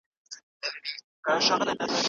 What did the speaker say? که په ټولنه کې انصاف وي، نو د کینې ځای نه پاتې کیږي.